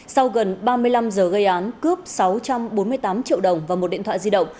sau gần ba mươi năm giờ gây án cướp sáu trăm bốn mươi tám triệu đồng và một điện thoại di động